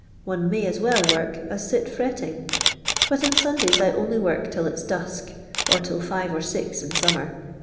One may as well worK us Hit trettin;;. Jiut on Sundays I only WDik till It's dusk, or till live or six in summer.